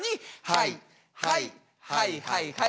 はいはいはいはいはい。